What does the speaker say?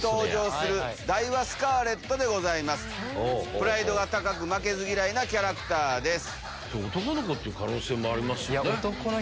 プライドが高く負けず嫌いなキャラクターです。